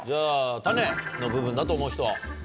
種の部分だと思う人。